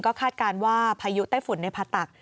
คาดการณ์ว่าพายุไต้ฝุ่นในผตัก